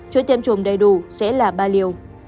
cho tiêm chủng đầy đủ sẽ là ba liều